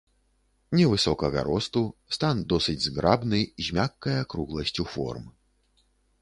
Невысокага росту, стан досыць зграбны, з мяккай акругласцю форм.